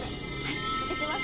いってきます。